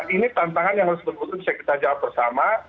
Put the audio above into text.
ini tantangan yang harus kita jawab bersama